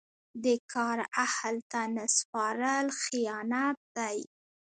د کار اهل ته نه سپارل خیانت دی.